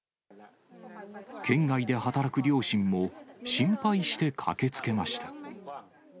県外で働く両親も、心配して駆けつけました。